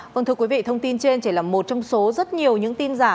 vâng thưa quý vị thông tin trên chỉ là một trong số rất nhiều những tin giả